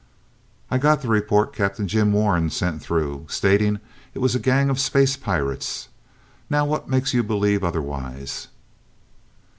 "I got the report Captain Jim Warren sent through, stating it was a gang of space pirates. Now what makes you believe otherwise?"